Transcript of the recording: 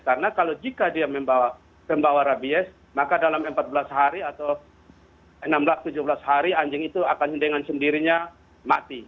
karena kalau jika dia membawa rabies maka dalam empat belas hari atau enam belas tujuh belas hari anjing itu akan dengan sendirinya mati